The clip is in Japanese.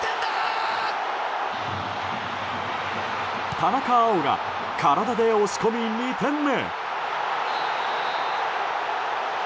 田中碧が体で押し込み、２点目。